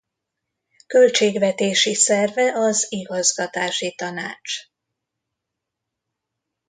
Költségvetési szerve az igazgatási tanács.